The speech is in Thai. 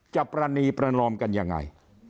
ปรณีประนอมกันยังไง